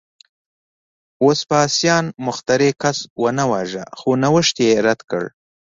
وسپاسیان مخترع کس ونه واژه، خو نوښت یې رد کړ